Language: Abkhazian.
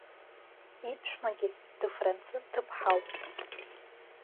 Иԥшәмагьы дыфранцыз ҭыԥҳауп.